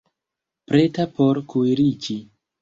Preta por kuiriĝi